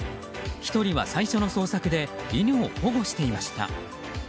１人は最初の捜索で犬を保護していました。